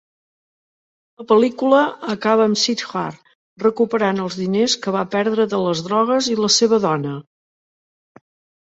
La pel·lícula acaba amb Siddharth recuperant els diners que va perdre de les drogues i la seva dona.